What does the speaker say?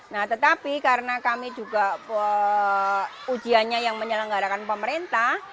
nah tetapi karena kami juga ujiannya yang menyelenggarakan pemerintah